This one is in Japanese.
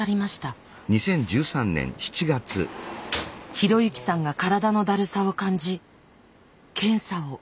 啓之さんが体のだるさを感じ検査を受けると。